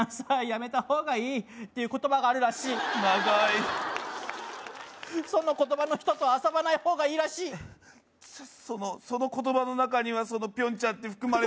やめた方がいい」っていう言葉があるらしい長いその言葉の人と遊ばない方がいいらしいその言葉のなかにはピョンちゃんって含まれてるのかな